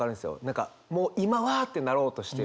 何かもう今は！ってなろうとしてる。